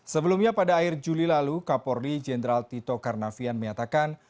sebelumnya pada akhir juli lalu kapolri jenderal tito karnavian menyatakan